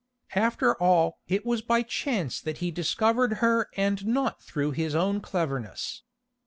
After all it was by chance that he discovered her and not through his own cleverness.